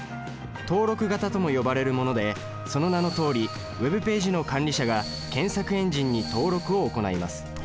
登録型とも呼ばれるものでその名のとおりＷｅｂページの管理者が検索エンジンに登録を行います。